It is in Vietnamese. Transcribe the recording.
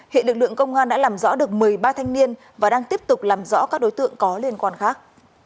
hiện lực lượng công an đã làm rõ được một mươi ba thanh niên và đang tiếp tục làm rõ các đối tượng có liên quan khác